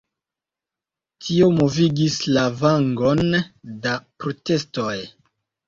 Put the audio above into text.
Tio movigis lavangon da protestoj.